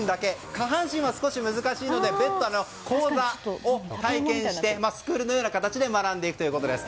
下半身は難しいので別途、講座を体験してスクールのような形で学んでいくということです。